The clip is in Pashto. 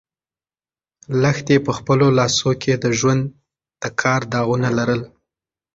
لښتې په خپلو لاسو کې د ژوند د کار داغونه لرل.